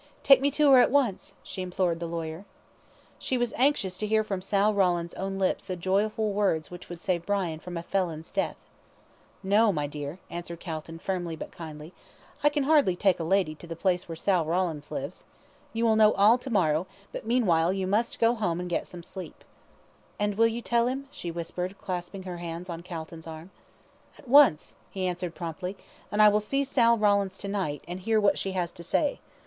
"Take me to her at once," she implored the lawyer. She was anxious to hear from Sal Rawlins' own lips the joyful words which would save Brian from a felon's death. "No, my dear," answered Calton, firmly, but kindly. "I can hardly take a lady to the place where Sal Rawlins lives. You will know all to morrow, but, meanwhile, you must go home and get some sleep." "And you will tell him?" she whispered, clasping her hands on Calton's arm. "At once," he answered promptly. "And I will see Sal Rawlins to night, and hear what she has to say.